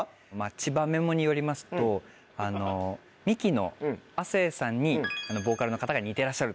千葉ＭＥＭＯによりますとミキの亜生さんにボーカルの方が似てらっしゃると。